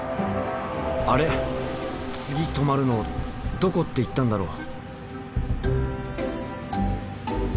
あれ次止まるのどこって言ったんだろう？